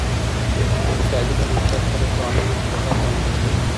د اقتصادي پرمختګ سره قوانین هم چټک عملي کېږي.